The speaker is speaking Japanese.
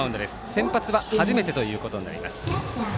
先発は初めてということになります。